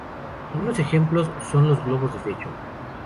Algunos ejemplos son los globos de techo.